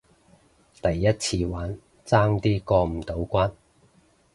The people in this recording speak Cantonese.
第一次玩，爭啲過唔到關